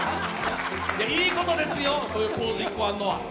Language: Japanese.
いいことですよ、そういうポーズ１個あるのは。